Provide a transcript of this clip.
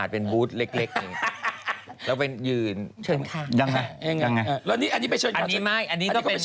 เป็นนางกวากหรอ